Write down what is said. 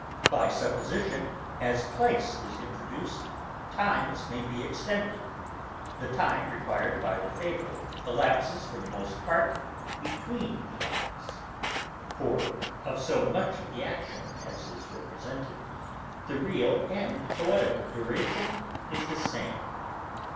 By supposition, as place is introduced, times may be extended; the time required by the fable elapses for the most part between the acts; for, of so much of the action as is represented, the real and poetical duration is the same.